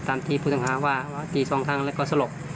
ตามที่ผู้ต้องหาว่าตี๒ครั้งแล้วก็สลบ